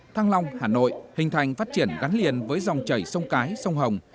thăng long hà nội hình thành phát triển gắn liền với dòng chảy sông cái sông hồng